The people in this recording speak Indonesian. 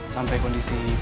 sampai kondisi clara pulang ya